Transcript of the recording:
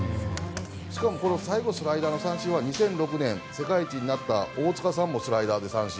しかも、最後スライダーの三振は２００６年、世界一になった大塚さんもスライダーで三振。